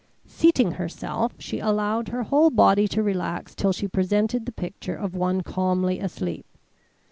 Seating herself, she allowed her whole body to relax till she presented the picture of one calmly asleep.